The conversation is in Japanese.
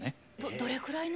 どれくらいの？